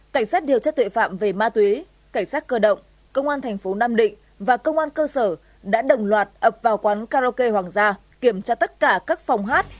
cảnh sát điều tra tuệ phạm về ma túy cảnh sát cơ động công an thành phố nam định và công an cơ sở đã đồng loạt ập vào quán karaoke hoàng gia kiểm tra tất cả các phòng hát